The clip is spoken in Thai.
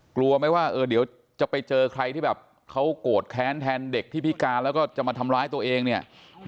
กลัวไหมว่าเออเดี๋ยวจะไปเจอใครที่แบบเขาโกรธแค้นแทนเด็กที่พิการแล้วก็จะมาทำร้ายตัวเองเนี่ย